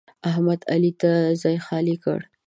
احمد؛ علي ته ځای خالي کړ.